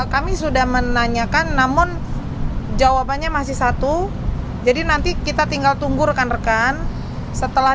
kami sudah menanyakan namun jawabannya masih satu jadi nanti kita tinggal tunggu rekan rekan setelah